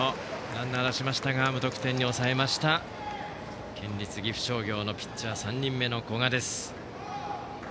ランナーを出しましたが無得点に抑えました県立岐阜商業のピッチャー３人目の古賀です。